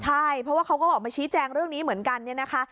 ใช่เพราะว่าเขาก็ออกมาชี้แจงเรื่องนี้เหมือนกันเนี่ยนะคะ